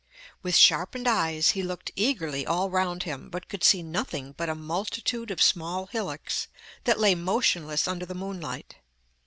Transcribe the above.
With sharpened eyes, he looked eagerly all round him, but could see nothing but a multitude of small hillocks, that lay motionless under the moonlight.